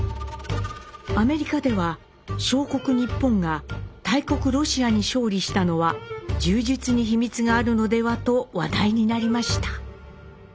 アメリカでは小国日本が大国ロシアに勝利したのは「柔術」に秘密があるのではと話題になりました。